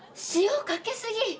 塩かけすぎ！